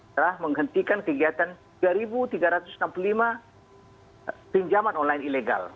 telah menghentikan kegiatan tiga tiga ratus enam puluh lima pinjaman online ilegal